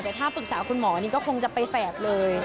แต่ถ้าปรึกษาคุณหมอนี่ก็คงจะไปแฝดเลย